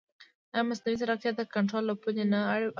ایا مصنوعي ځیرکتیا د کنټرول له پولې نه اوړي؟